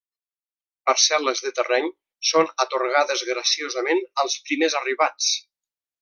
Parcel·les de terreny són atorgades graciosament als primers arribats.